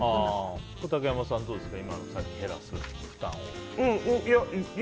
竹山さん、どうですか。